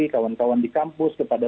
kawan kawan di kampus kepada